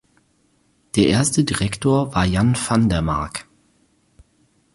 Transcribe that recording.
Der erste Direktor war Jan van der Marck.